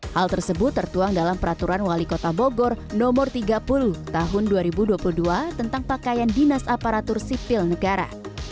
hal tersebut tertuang dalam peraturan wali kota bogor nomor tiga puluh tahun dua ribu dua puluh dua tentang pakaian dinas aparatur sipil negara